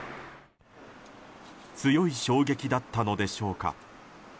強い衝撃だったのでしょうか。